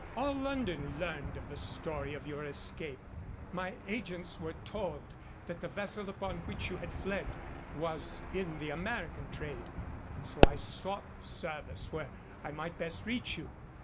"All London learned of the story of your escape. My agents were told that the vessel upon which you had fled was in the American trade. And so I sought service where I might best reach you.